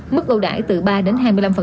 mức ưu đãi từ ba đến hai mươi năm